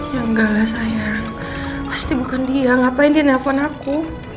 ya enggak lah saya pasti bukan dia ngapain dia nelfon aku